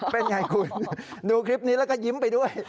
เป็นไงคุณดูคลิปนี้แล้วก็ยิ้มไปด้วย